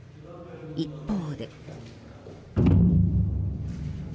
一方で。